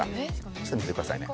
ちょっと見ててくださいね。